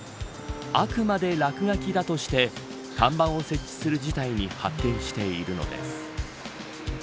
あくまで落書きだとして看板を設置する事態に発展しているのです。